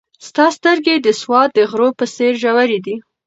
ستا سترګې د سوات د غرو په څېر ژورې دي.